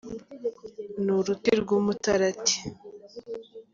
Ni uruti rw’umutarati